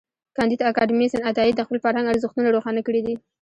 کانديد اکاډميسن عطايي د خپل فرهنګ ارزښتونه روښانه کړي دي.